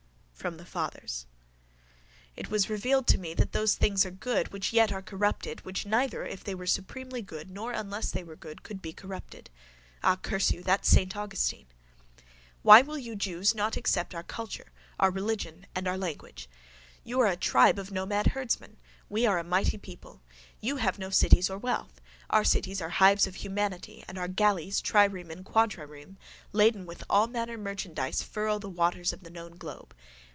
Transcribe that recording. _ FROM THE FATHERS It was revealed to me that those things are good which yet are corrupted which neither if they were supremely good nor unless they were good could be corrupted. Ah, curse you! That's saint Augustine. _—Why will you jews not accept our culture, our religion and our language? You are a tribe of nomad herdsmen: we are a mighty people. You have no cities nor no wealth: our cities are hives of humanity and our galleys, trireme and quadrireme, laden with all manner merchandise furrow the waters of the known globe.